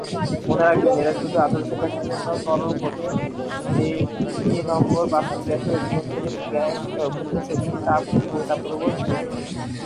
মনে রাখবেন, এটা শুধু আদর্শ গ্যাসের জন্য, তরল, কঠিন এনম্বর বাস্তব গ্যাসের অভ্যন্তরীন শক্তি তাপ ও চাপের উপর নির্ভরশীল।